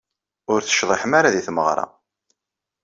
Ur tecḍiḥem ara di tmeɣra.